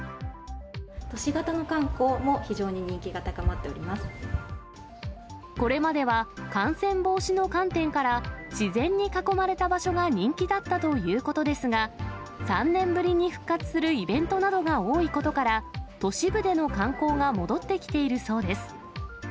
都市型の観光も非常に人気がこれまでは感染防止の観点から、自然に囲まれた場所が人気だったということですが、３年ぶりに復活するイベントなどが多いことから、都市部での観光が戻ってきているそうです。